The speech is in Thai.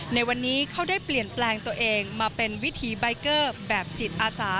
ในวันนี้เขาได้เปลี่ยนแปลงตัวเองมาเป็นวิถีใบเกอร์แบบจิตอาสา